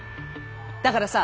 だからさ